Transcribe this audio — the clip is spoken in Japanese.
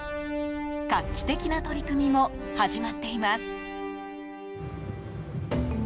画期的な取り組みも始まっています。